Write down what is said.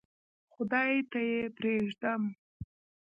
خدای ته یې پرېږدم.